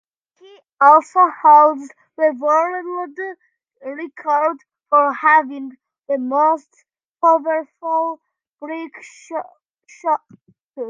He also holds the world record for having the most powerful break shot.